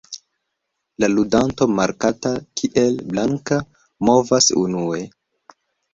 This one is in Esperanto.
La ludanto markata kiel "blanka" movas unue.